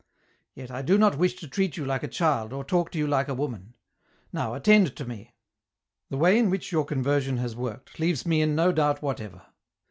" Yet I do not wish to treat you like a child, or talk to you like a woman ; now attend to me !" The way in which your conversion has worked leaves me in no doubt whatever.